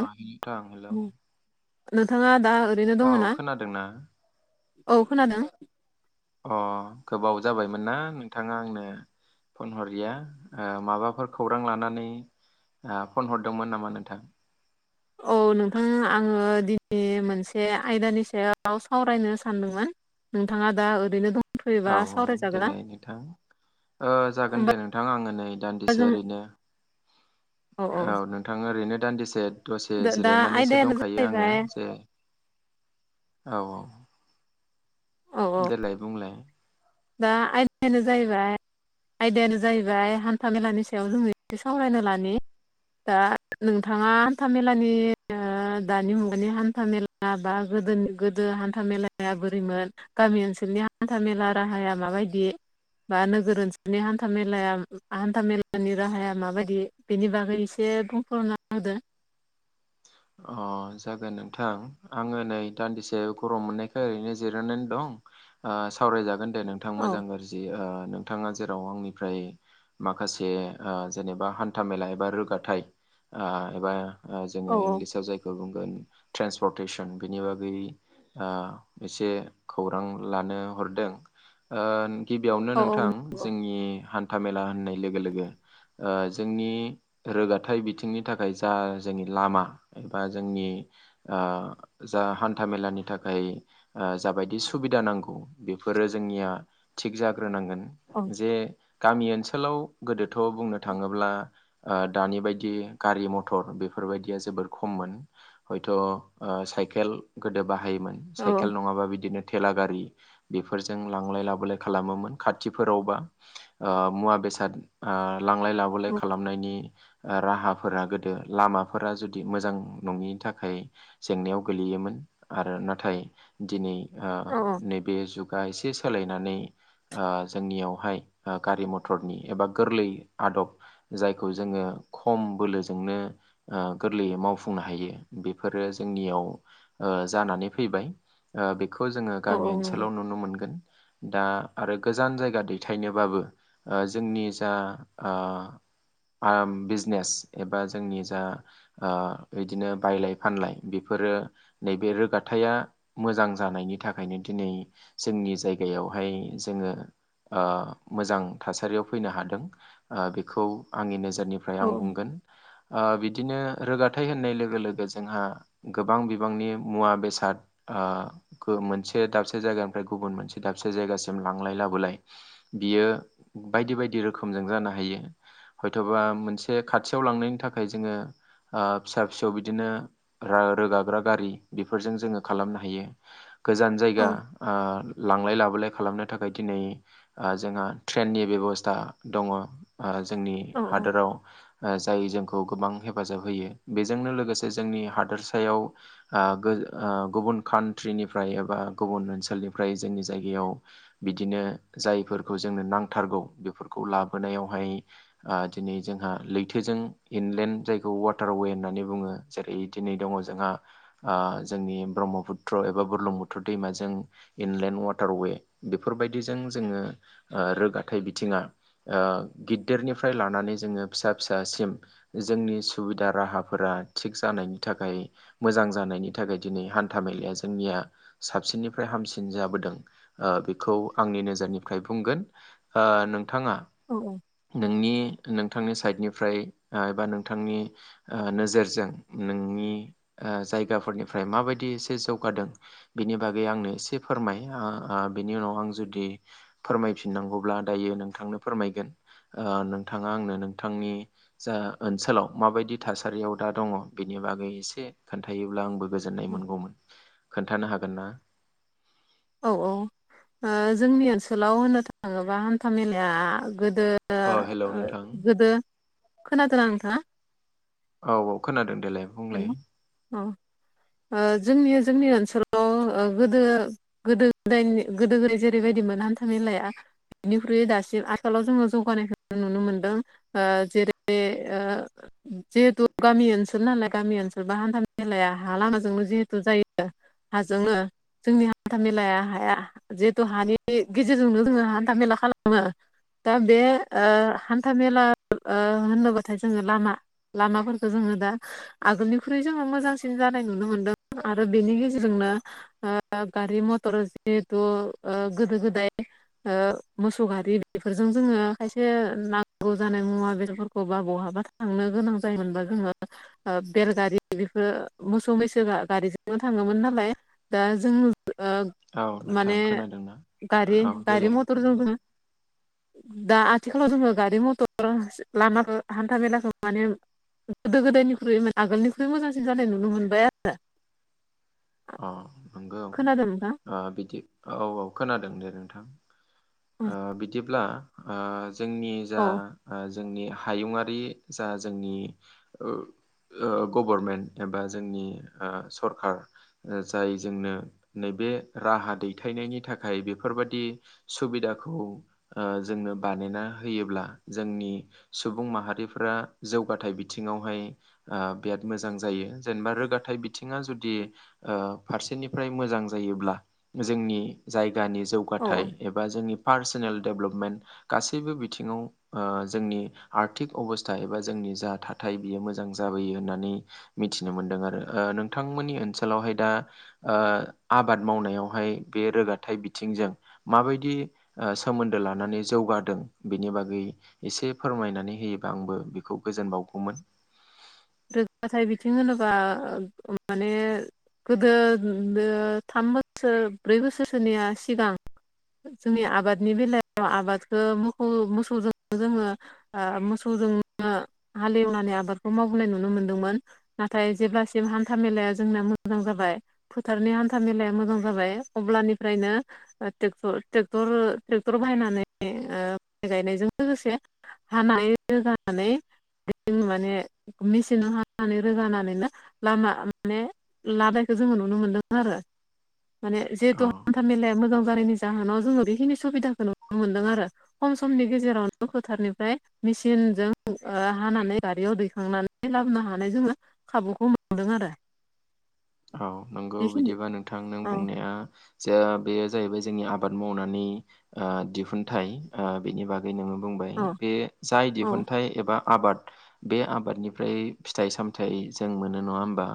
औ नोंथाङा दा ओरैनो औ दङ ना खोनादोंना औ खोनादों अ गोबाव जाबायमोन ना नोंथाङा आंनो फन हरिया माबाफोर खौरां लानानै फन हरदोंमोन नामा नोंथां औ नोंथां आङो दिनै मोनसे आयदानि सायाव सावरायनो सानदोंमोन नोंथाङा दा ओरैनो दं औ औ देलाय नोंथां जागोन होमबा दे नोंथां आङो नै दान्दिसे ओरैनो अ औ नोंथां ओरैनो दान्दिसे दसे दा जिरायनानैसो आयदायानो दंखायो आङो जाहैबाय जे औ औ औ औ देलाय बुंलाय दा आयदायानो जाहैबाय आयदायानो जाहैबाय हान्था मेलानि सायाव जों एसे सावरायनो लानि। दा नोंथाङा हान्था मेलानि ओ दानि मुगानि हान्था मेला दा बा गोदोनि गोदो हान्था मेलाया बोरैमोन गामि ओनसोलनि हान्था मेला राहाया माबायदि बा नोगोर ओनसोलनि हान्था मेलाया हान्था मेलानि राहाया माबायदि? बेनि बागै एसे बुंफोरना होदो। अ जागोन नोंथां आङो नै दान्दिसे गरम मोननायखाय ओरैनो जिरायनानै दं। ओ सावरायजागोन दे नोंथां औ मोजां गाज्रि नोंथाङा जेराव आंनिफ्राय माखासे ओ जेनेबा हान्थाामेला एबा रोगाथाइ ओ एबा ओ औ जोङो इंलिसाव जायखौ बुंगोन ट्रेन्सपर्टेसन बेनि बागै ओ एसे खौरां लानो हरदों ओ गिबियावनो औ नोंथां जोंनि हान्था मेला होननाय लोगो- लोगो ओ जोंनि रोगाथाइ बिथिंनि थाखाय जा जोंनि लामा एबा जोंनि ओ जा हान्था मेलानि थाखाय ओ जाबायदि सुबिदा नांगौ बेफोरो जोंनिया थिग जाग्रोनांगोन। जे गामि ओनसोलाव गोदोथ' बुंनो थाङोब्ला ओ दानि बायदि गारि मथर बेफोर बायदिया जोबोर खममोन हयथ' ओ साइकेल गोदो बाहायोमोन औ साइकेल नङाबा बिदिनो थेला गारि बेफोरजों लांलाय लाबोलाय खालामोमोन खाथिफोरावबा। ओ मुवा-बेसाद ओ लांलाय लाबोलाय खालामनायनि ओ राहाफोरा गोदो लामाफोरा जुदि मोजां नङिनि थाखाय जेंनायाव गोलैयोमोन आरो नाथाय दिनै ओ औ नैबे जुगा एसे सोलायनानै ओ जोंनियावहाय ओ गारि मथरनि एबा गोरलै आदब जायखौ जोङो खम बोलोजोंनो ओ गोरलैयै मावफुंनो हायो बेफोरो जोंनियाव ओ जानानै फैबाय। ओ बेखौ जोङो औ गामि औ नंगौ ओनसोलाव नुनो मोनगोन। दा आरो गोजान जायगा दैथायनोबाबो ओ जोंनि जा ओ आम बिजनेस एबा जोंनि जा ओ बिदिनो बायलाय फानलाय बेफोरो नैबे रोगाथाया मोजां जानायनि थाखायनो दिनै जोंनि जायगायावहाय जोङो ओ मोजां थासारियाव फैनो हादों ओ बेखौ आंनि नोजोरनि ओमफ्राय आं औ बुंगोन ओ बिदिनो रोगाथाइ होननाय लोगो लोगो जोंहा गोबां बिबांनि मुवा बेसाद ओ खो मोनसे दाबसे जायगानिफ्राय गुबुन मोनसे दाबसे जायगासिम लांलाय लाबोलाय बियो बायदि बायदि रोखोमजों जानो हायो। हयथ'बा मोनसे खाथियाव लांनायनि थाखाय जोङो ओ फिसा-फिसौ बिदिनो रो-रोगाग्रा गारि बेफोरजों जोङो खालामनो हायो। गोजान औ जायगा ओ लांलाय लाबोलाय खालामनो थाखाय दिनै ओ जोंहा ट्रेननि बेब'स्था दङ'। ओ जोंनि औ हादोराव ओ जाय जोंखौ गोबां हेफाजाब होयो बेजोंनो लोगोसे जोंनि हादोरसायाव ओ गो ओ गुबुन कान्ट्रिनिफ्राय एबा गुबुन ओनसोलनिफ्राय जोंनि जायगायाव बिदिनो जायफोरखौ जोंनो नांथारगौ बेफोरखौ लाबोनायावहाय ओ दिनै जोंहा लैथोजों इनलेण्ड जायखौ वा टार-वे होननानै बुङो जेरै दिनै दङ' जोंहा ओ जोंनि ब्रह्मपुत्र एबा बुरलुंबुथुर दैमाजों इनलेण्ड वाटार-वे बेफोर बायदिजों जोङो ओ रोगाथाइ बिथिङा ओ गिदिरनिफ्राय लानानै जोङो फिसा फिसासिम जोंनि सुबिदा राहाफोरा थिग जानायनि थाखाय मोजां जानायनि थाखाय दिनै हान्था मेलाया जोंनिया साबसिननिफ्राय हामसिन जाबोदों ओ बेखौ आंनि नोजोरनिफ्राय बुंगोन ओ नोंथाङा औ औ नोंनि नोंथांनि साइडनिफ्राय ओ एबा नोंथांनि ओ नोजोरजों नोंनि ओ जायगाफोरनिफ्राय माबायदि एसे जौगादों बिनि बागै आंनो एसे फोरमाय ओ बिनि उनाव आं जुदि फोरमायफिननांगौब्ला दायो नोंथांनो फोरमायगोन ओ नोंथाङा आंनो नोंथांनि जा ओनसोलाव माबायदि थासारियाव दा दङ बिनि बागै एसे खोन्थायोब्ला आंबो गोजोननाय मोनगौमोन खोन्थानो हागोन ना? औ औ ओ जोंनि ओनसोलाव होननो थाङोब्ला हान्था मेलाया गोदो अ हेलौ नोंथां खोनादोना नोंथाङा? औ-औ खोनादों देलाय हेल' बुंलाय अ जोंनि जोंनि ओनसोलाव गोदो गोदो गोदायनि गोदो गोदाय जेरैबायदिमोन हान्था मेलाया बिनिख्रुइ दासिम आथिखालाव जोङो जौगानायखौ नुनो मोनदों आ जेरै आ जिहेथु गामि ओनसोल नालाय गामि ओनसोल बा हान्था मेलाया ह लामाजोंनो जिहेथु जायो हाजोंनो जोंनि हान्था मेलाया हाया जिहेथु हानि गेजेरजोंनो जोङो हान्था मेला खालामो दा बे ओ हान्था मेला होनोबाथाय जोङो लामा लामाफोरखो जोङो दा आगोलनिख्रुइ जोङो मोजांसिन जानाय नुनो मोनदों आरो बेनि गेजेरजोंनो ओ गारि मटर जिहेथु ओ गोदो गोदाय ओ मोसौ गारि बेफोरजों जोङो खायसे नांगौ जानाय मुवा बेदरफोरखौ बा बहाबा थांनो गोनां जायोमोनबा जोङो बेलगारि बेफोरो मोसौ मैसो गारिजोंनो थाङोमोन नालाय दा जों ओ औ नोंथां माने खोनादोंना गारि औ गारि देलाय मथरजों जों दा आथिखालाव दोङो गारि मथर लाना हान्था मेलाखौ माने गोदो गोदायनिख्रुइ मे आगोलनिख्रुइ मोजांसिन जानाय नुनो मोनबाय आरो अ नंगौ खोनादों नोंथां बिदि औ औ खोनादों दे नोंथां आ बिदिब्ला जोंनि जा औ जोंनि हायुङारि जा जोंनि गभर्नमेन्ट एबा जोंनि सरखार जाय जोंनो नैबे राहा दैथायनायनि थाखाय बेफोरबादि सुबिदाखौ जोंनो बानायना होयोब्ला जोंनि सुबुं माहारिफोरा जौगाथायाइ बिथिङावहाय बिराद मोजां जायो जेनेबा रोगााथाइ बिथिङा जुदि फारसेनिफ्राय मोजां जायोब्ला जोंनि जायगानि औ जौगाथाय एबा जोंनि पार्सनेल डेभलपमेन्ट गासैबो बिथिङाव जोंनि आर्थिक अबस्था एबा जोंनि जा थाथाय बियो मोजां जाबोयो होननानै मिथिनो मोनदों आरो नोंथांमोननि ओनसोलावहाय दा आबाद मावनायावहाय बे रोगाथायाइ बिथिंजों माबायदि सोमोन्दो लानानै जौगादों बिनि बागै एसे फोरमायनानै होयोबा आंबो बेखौ गोजोन बावगौमोन जौगाजाथाइ बिथिं होनोबा माने गोदो थाम बोसोर ब्रै बोसोरसोनिया सिगां जोंनि आबादनि बेलायाव आबादखौ मोसौ मोसौजों जोङो मोसौजों हालेवनानै आबादखौ मावबोनाय नुनो मोनदोंमोन नाथाय जेब्लासिम हान्था मेलाया जोंना मोजां जाबाय फोथारनि हान्था मेलाया मोजां जाबाय अब्लानिफ्रायनो रर ट्रेक्टर बायनानै माइ गायनायजों लोगोसे हानाय रोगानानै माने मेसिनाव हानानै रोगानानैनो लामा माने लाानायखौ जोङो नुनो मोनदों आरो माने जिहेथु औ हान्था मेलाया मोजां जानायनि जाहोनाव जोङो बेखिनि सुबिदाखौ नुनो मोन्दों आरो खम समनि गेजेरावनो फोथारनिफ्राय मेसिनजों हानानै गारियाव दै थांनानै लाबोनो हानाय जोङो खाबुखौ मोनदों आरो औ नोंगौ बेखिनि बिदिबा नोंथां नों औ बुंनाया ज बेयो जाहैबाय जोंनि आबाद मावनानै दिहुनथाइ बिनि बागै नोङो बुंबाय औ बे जाय औ दिहुनथाइ एबा आबाद बे आबादनिफ्राय फिथाइ सामथाइ जों मोनो नङा होमबा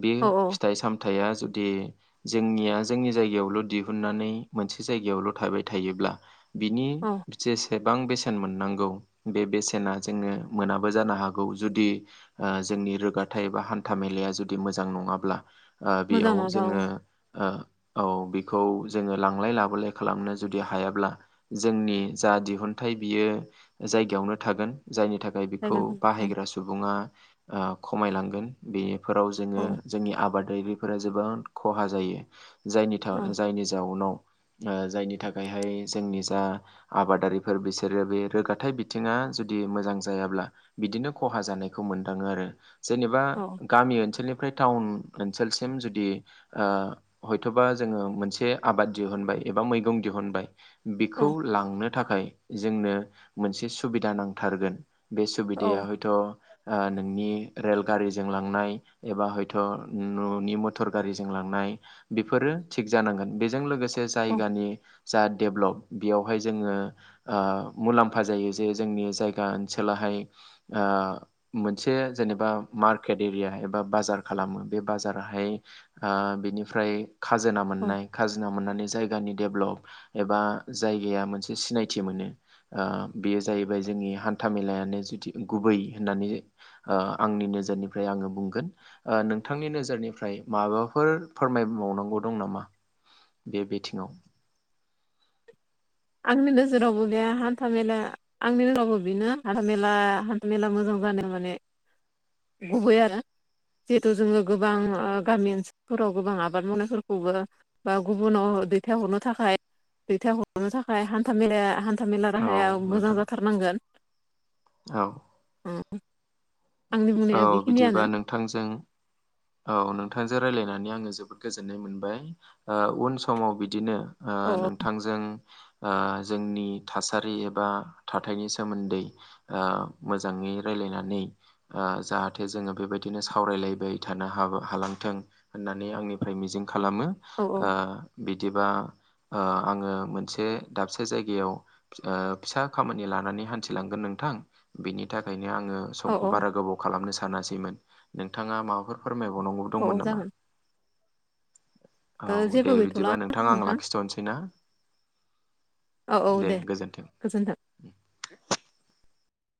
बे औ औ फिथाइ सामथाइया जुदि जोंनिया जोंनि जायगायावल' दिहुननानै मोनसे जायगायावल' थाबाय थायोब्ला बिनि औ जेस बेसेबां बेसेन मोननांगौ बे बेसेना जोङो मोनाबो जानो हागौ जुदि जोंनि रोगाथायाइ ए बा हान्था मेलाया जुदि मोजां नङाब्ला मोजां बेयाव नङाबा औ जोङो औ बिखौ जोङो लांलाय लाबोलाय खालामनो जुदि हायाब्ला जोंनि जा दिहुनथाइ बियो जायगायावनो थागोन जायनि थाखाय बेखौ जायगानि थाखाय बाहायग्रा सुबुङा खमायलांगोन बेनिफोराव जोङो औ जोंनि आ आबादायगिरिफोरा जोबां खहा जायो जायनि औ जायनि जाउनाव जायनि थाखायहाय जोंनि जा आबादारिफोर बिसोरो बे रोगााथाइ बिथिङा जुदि मोजां जायाब्ला बिदिनो खहा जानायखौ मोनदाङो आरो जेनेबा औ गामि ओनसोलनिफ्राय टाउन ओनसोलसिम जुदि हयथ'बा जोङो मोनसे आबाद दिहुनबाय एबा मैगं दिहुनबाय औ बेखौ लांनो थाखाय जोंनो मोनसे सुबिदा नांथारगोन बे औ सुबिदाया हयथ' नोंनि रेलगारिजों लांनाय एबा हयथ' न'नि मथर गारिजों लांनाय बेफोरो थिग जानांगोन बेजों लोगोसे मोनसे औ जायगानि जा डेभलप बेयावहाय जोङो आ मुलाम्फा जायो जे जोंनि जायगा ओनसोलहाय आ मोनसे जेनेबा मार्केट एरिया एबा बाजार खालामो बे बाजाराहाय आ बिनिफ्राय खाजोना औ मोननाय खाजोना मोननानै जायगानि डेभलप एबा जायगाया मोनसे सिनायथि मोनो बेयो जाहैबाय जोंनि हान्था मेलायानो जुदि गुबै होननानै ओ आंनि नोजोरनिफ्राय आङो बुंगोन नोंथांनि नोजोरनिफ्राय माबाफोर फोरमायबावनांगौ दं नामा बे बिथिङाव आंनि नोजोरावबो बे हान्था मेला आंनि रावबो बेनो हान्था मेला हान्था मेला मोजां जानाय माने गुबै आरो जिहेथु जोङो गोबां गामि ओनसोलफोराव गोबां आबाद मावनायफोरखौबो बा गुबुनाव दैथाय हरनो थाखाय दैहर नो थाखाय हान्था माया हान्था मेला औ राहाया मोजां नोंथां जाथारनांगोन औ उम आंनि औ बुंनाया बेखिनियानो बिदिबा नोंथांजों औ नोंथांजों रायज्लायनानै आङो जोबोद गोजोननाय मोनबाय ओ उन समाव बिदिनो ओ औ नोंथांजों ओ जोंनि थासारि एबा थाथायनि सोमोन्दै ओ मोजाङै रायलायनानै ओ जाहाथे जोङो बेबायदिनो सावरायलायबाय थानो हाबो हालांथों होननानै आंनिफ्राय मिजिं खालामो औ बिदिबा आङो मोनसे दाबसे जायगायाव फिसा खामानि लानानै हान्थिलांगोन नोंथां बेनि थाखायनो आङो औ खौ औ बारा गोबाव खालामनो सानासैमोन नोंथाङा माबाफोर फोरमायबावनांगौ औ औ दंमोन नामा जागोन ओ औ जेबो दे गैथ'ला बिदिबा नोंथाङा आं नोंथां लाखिथ'नोसै ना औ औ दे गोजोन्थों